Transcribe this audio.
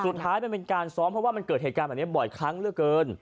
มันเป็นการซ้อมเพราะว่ามันเกิดเหตุการณ์แบบนี้บ่อยครั้งเหลือเกิน